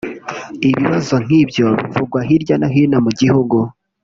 Ibibazo nk’ibyo bivugwa hirya no hino mu gihugu